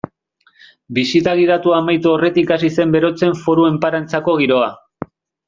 Bisita gidatua amaitu aurretik hasi zen berotzen Foru Enparantzako giroa.